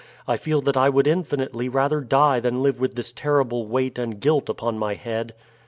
I feel that I would infinitely rather die than live with this terrible weight and guilt upon my head."